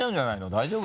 大丈夫？